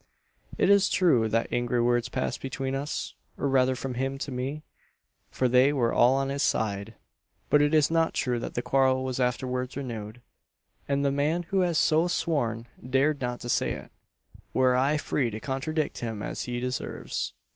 "It is true that angry words passed between us, or rather from him to me: for they were all on his side. "But it is not true that the quarrel was afterwards renewed; and the man who has so sworn dared not say it, were I free to contradict him as he deserves."